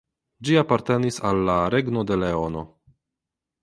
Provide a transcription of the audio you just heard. Ĝi apartenis al la Regno de Leono.